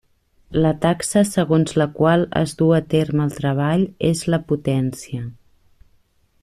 La taxa segons la qual es du a terme el treball és la potència.